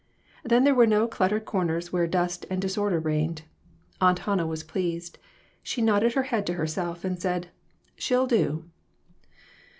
Then there were no cluttered corners where dust and disorder reigned. Aunt Hannah was pleased. She nodded her head to herself, and said . "She'll do."